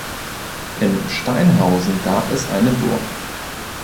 In Steinhausen gab es eine Burg.